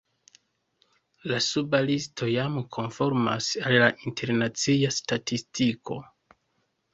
La suba listo jam konformas al la internacia statistiko.